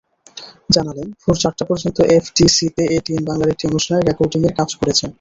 জানালেন, ভোর চারটা পর্যন্ত এফডিসিতে এটিএন বাংলার একটি অনুষ্ঠানের রেকর্ডিংয়ের কাজ করেছেন।